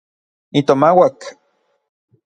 Nitomauak.